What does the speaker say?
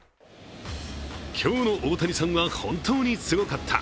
今日の大谷さんは本当にすごかった。